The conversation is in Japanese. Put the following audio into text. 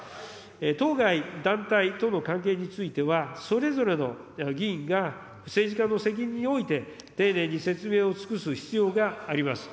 当該団体との関係については、それぞれの議員が政治家の責任において、丁寧に説明を尽くす必要があります。